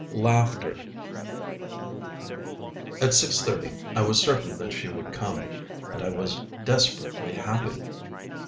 LAUGHTER I AT 6:30 I was certain that she would come, and I was desperately happy.